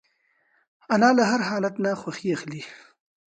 انا له هر حالت نه خوښي اخلي